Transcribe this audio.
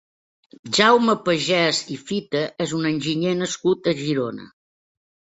Jaume Pagès i Fita és un enginyer nascut a Girona.